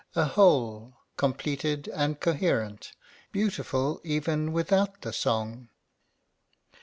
a whole, completed and coherent, beautiful even without the song.